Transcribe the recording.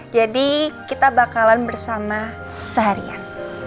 jadi kita bakalan bersama seharian